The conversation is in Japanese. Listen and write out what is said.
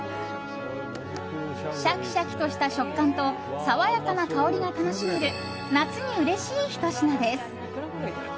シャキシャキとした食感と爽やかな香りが楽しめる夏にうれしい、ひと品です。